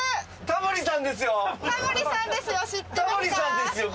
タモリさんですよ。